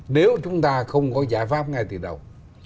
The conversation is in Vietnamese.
nếu chúng ta không có giải pháp ngay từ đầu